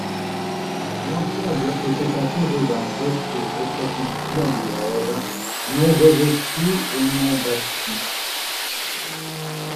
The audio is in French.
L'ensemble était entouré d'un fossé au profil triangulaire, non revêtu et non battu.